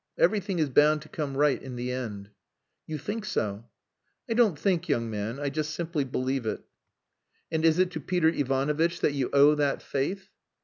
Everything is bound to come right in the end." "You think so?" "I don't think, young man. I just simply believe it." "And is it to Peter Ivanovitch that you owe that faith?"